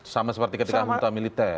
sama seperti ketika hunta militer